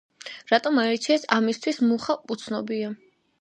რატომ აირჩიეს ამისთვის მუხა უცნობია.